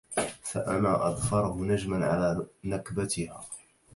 فأنا أضفره نجماً على نكبتها